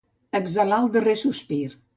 Exhalar el darrer sospir.